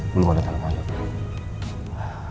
belum mau datang sama siapa